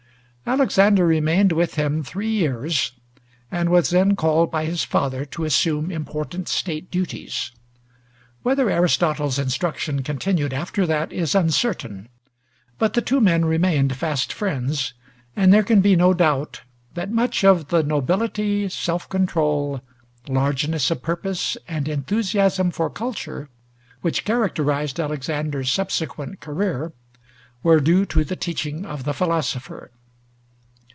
Alexander remained with him three years, and was then called by his father to assume important State duties. Whether Aristotle's instruction continued after that is uncertain; but the two men remained fast friends, and there can be no doubt that much of the nobility, self control, largeness of purpose, and enthusiasm for culture, which characterized Alexander's subsequent career, were due to the teaching of the philosopher.